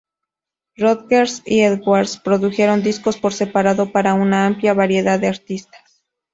Rodgers y Edwards produjeron discos por separado para una amplia variedad de artistas.